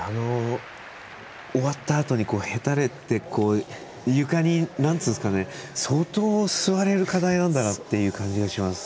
終わったあとにへたれて床相当、吸われる課題なんだなっていう感じがしますね。